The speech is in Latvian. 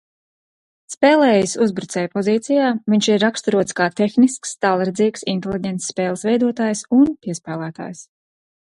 Spēlējis uzbrucēja pozīcijā, viņš ir raksturots kā tehnisks, tālredzīgs, inteliģents spēles veidotājs un piespēlētājs.